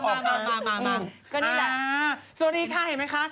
สวัสดีค่ะเห็นไหมคะ